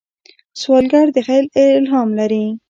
سوالګر د خیر الهام لري